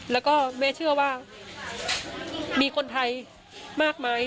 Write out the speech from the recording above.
แล้วก็แม่เชื่อว่ามีคนไทยมากไหม